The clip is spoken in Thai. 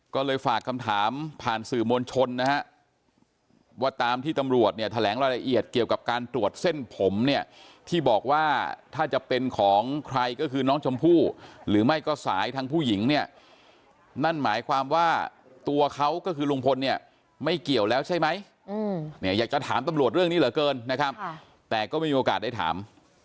ก็เลยฝากคำถามผ่านสื่อมวลชนนะฮะว่าตามที่ตำรวจเนี่ยแถลงรายละเอียดเกี่ยวกับการตรวจเส้นผมเนี่ยที่บอกว่าถ้าจะเป็นของใครก็คือน้องชมพู่หรือไม่ก็สายทางผู้หญิงเนี่ยนั่นหมายความว่าตัวเขาก็คือลุงพลเนี่ยไม่เกี่ยวแล้วใช่ไหมเนี่ยอยากจะถามตำรวจเรื่องนี้เหลือเกินนะครับแต่ก็ไม่มีโอกาสได้ถาม